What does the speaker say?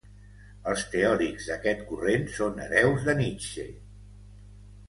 Els teòrics d'aquest corrent són hereus de Nietzsche.